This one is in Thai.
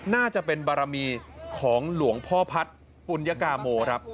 น่าจะเป็นบารมีของหลวงพ่อพัฒน์ปุญกาโมครับ